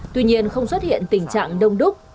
tuy nhiên không xuất hiện tình trạng đông đúc